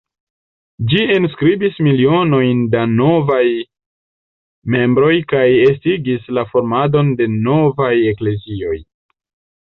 Ĝi enskribis milionojn da novaj membroj, kaj estigis la formadon de novaj eklezioj.